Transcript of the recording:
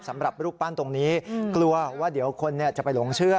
สำหรับรูปปั้นตรงนี้กลัวว่าเดี๋ยวคนจะไปหลงเชื่อ